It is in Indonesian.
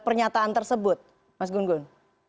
pernyataan tersebut mas gun gun